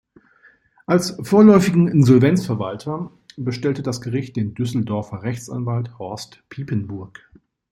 Als vorläufigen Insolvenzverwalter bestellte das Gericht den Düsseldorfer Rechtsanwalt Horst Piepenburg.